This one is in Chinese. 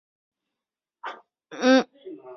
两名裁判在比赛期间会经常交换位置。